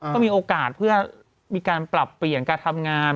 ก็มีโอกาสเพื่อมีการปรับเปลี่ยนการทำงาน